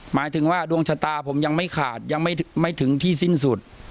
หมายถึงว่าดวงชะตาผมยังไม่ขาดยังไม่ถึงที่สิ้นสุด